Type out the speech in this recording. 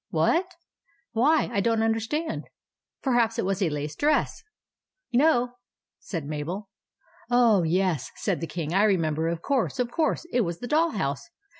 " What ? Why, I don't understand. Per haps it was a lace dress." 200 THE ADVENTURES OF MABEL " No," said Mabel. " Oh, yes," said the King ;" I remember. Of course, of course. It was the doll house."